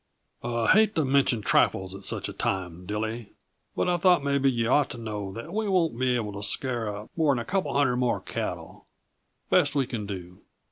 "I hate to mention trifles at such a time, Dilly, but I thought maybe yuh ought to know that we won't be able to scare up more than a couple uh hundred more cattle, best we can do.